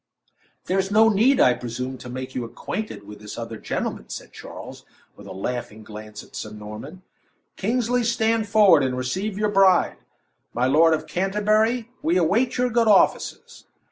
"There's no need, I presume, to make you acquainted with this other gentleman," said Charles, with a laughing glance at Sir Norman. "Kingsley, stand forward and receive your bride. My Lord of Canterbury, we await your good offices."